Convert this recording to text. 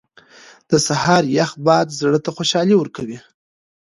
• د سهار یخ باد زړه ته خوشحالي ورکوي.